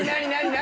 何？